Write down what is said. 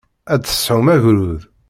Ad d-tesɛum agrud.